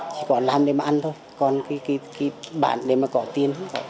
chỉ có làm để ăn thôi còn cái bản để mà có tiền